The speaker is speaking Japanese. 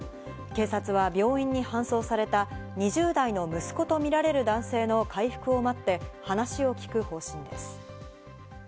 警察は病院に搬送された２０代の息子とみられる男性の回復を待って話を聞く方針です。